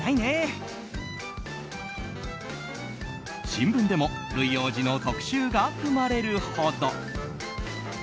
新聞でもルイ王子の特集が組まれるほど。